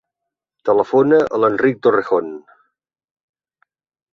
Telefona a l'Enric Torrejon.